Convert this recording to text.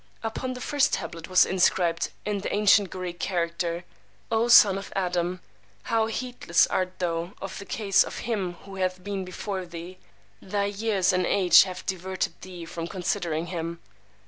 Upon the first tablet was inscribed, in the ancient Greek character, O son of Adam, how heedless art thou of the case of him who hath been before thee! Thy years and age have diverted thee from considering him.